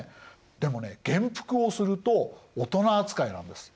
でもね元服をすると大人扱いなんです。